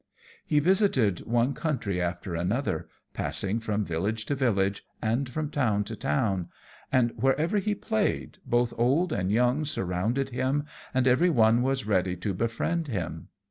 He visited one country after another, passing from village to village, and from town to town; and wherever he played, both old and young surrounded him, and every one was ready to befriend him.